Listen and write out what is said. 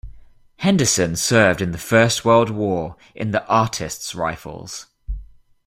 Henderson served in the First World War in the Artists Rifles.